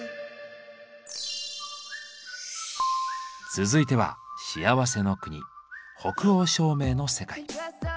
続いては幸せの国北欧照明の世界。